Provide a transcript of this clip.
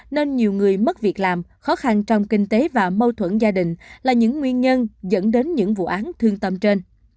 nên nhiều người mất việc làm khó khăn trong kinh tế và mâu thuẫn gia đình là những nguyên nhân dẫn đến những vụ án thương tâm trên